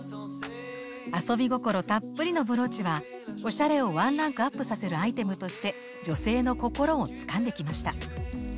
遊び心たっぷりのブローチはおしゃれをワンランクアップさせるアイテムとして女性の心をつかんできました。